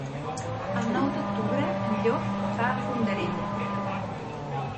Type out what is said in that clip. El nou d'octubre en Llop va a Fondarella.